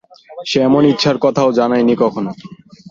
সে এমন ইচ্ছার কথাও জানায়নি কখনো।